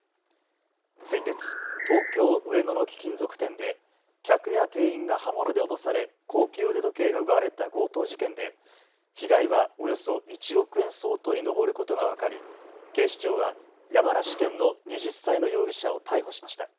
先月、東京上野の貴金属店で客や店員が刃物で脅され高級腕時計が奪われた強盗事件で被害はおよそ１億円相当に上ることが分かり、警視庁は山梨県の２０歳の容疑者を逮捕しました。